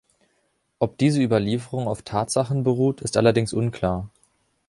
Ob diese Überlieferung auf Tatsachen beruht, ist allerdings unklar.